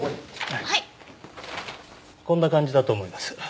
こんな感じだと思います。